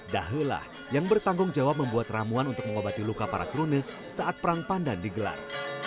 dahellah yang bertanggung jawab membuat ramuan untuk mengobati luka para krunei saat perang pandan digelar